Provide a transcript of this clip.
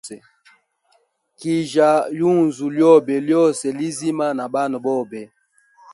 Kijya yunzu lyobe lyose lizima na bana bobe.